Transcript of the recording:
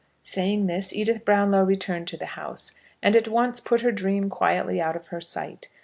Saying this, Edith Brownlow returned to the house, and at once put her dream quietly out of her sight.